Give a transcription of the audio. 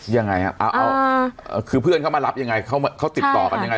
ยังไงครับเอาคือเพื่อนเขามารับยังไงเขาติดต่อกันยังไง